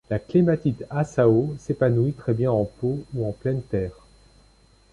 La clématite 'Asao' s'épanouit très bien en pot ou en pleine terre.